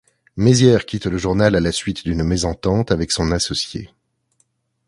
Mézière quitte le journal à la suite d'une mésentente avec son associé.